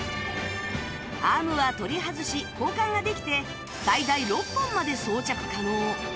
アームは取り外し交換ができて最大６本まで装着可能